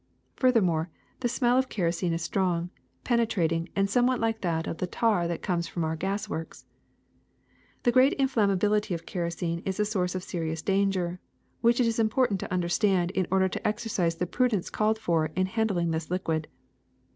Furthermore, the smell of kerosene is strong, penetrating, and somewhat like that of the tar that comes from our gas works. ^' The great inflammability of kerosene is a source of serious danger, which it is important to under stand in order to ex ercise the prudence called for in handling this liquid.